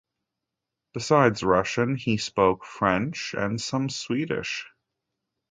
Besides Russian, he spoke French and some Swedish.